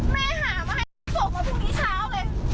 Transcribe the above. แม่หามาให้ฉันส่งมาพรุ่งนี้เช้าเลย